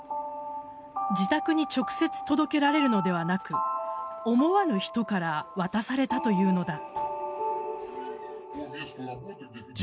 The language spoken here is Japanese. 自宅に直接届けられるのではなく思わぬ人から渡されたというのだ。